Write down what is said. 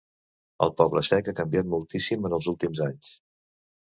El Poble Sec ha canviat moltíssim en els últims anys!